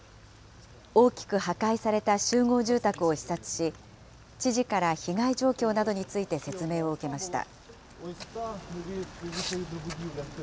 大きく破壊された集合住宅を視察し、知事から被害状況などについて説明を受けました。